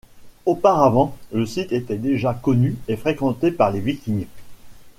Auparavant, le site était déjà connu et fréquenté par les Vikings.